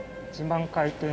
１万回転。